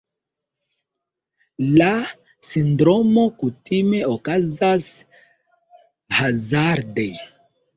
La sindromo kutime okazas hazarde.